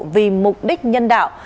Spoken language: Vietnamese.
vì mục đích nhân đạo